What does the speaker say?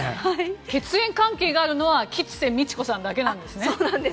血縁関係があるのは吉瀬美智子さんだけなんですね。